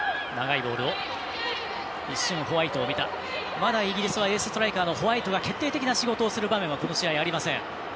まだイギリスはエースストライカーのホワイトが決定的な仕事をする場面はこの試合ありません。